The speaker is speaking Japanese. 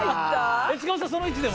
塚本さんその位置でも？